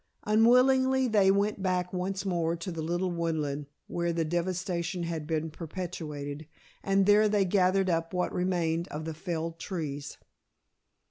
Unwillingly they went back once more to the little woodland, where the devastation had been perpetrated, and there they gathered up what remained of the felled trees.